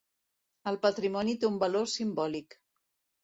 El patrimoni té un valor simbòlic.